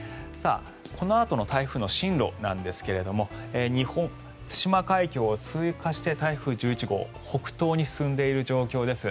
このあとの台風の進路ですが対馬海峡を通過した台風１１号北東に進んでいる状況です。